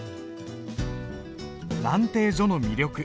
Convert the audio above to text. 「蘭亭序」の魅力